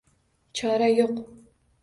Chora yo’q.